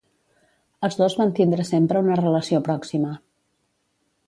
Els dos van tindre sempre una relació pròxima.